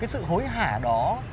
cái sự hối hả đó